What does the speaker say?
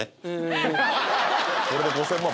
これで５０００万